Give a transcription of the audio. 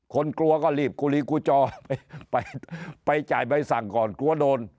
กลัวก็รีบกูลีกูจอไปจ่ายใบสั่งก่อนกลัวโดน